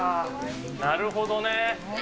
なるほどね。